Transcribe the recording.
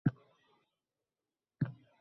Qaysi bir... ota-bobolarimiz ekib ketgan-da?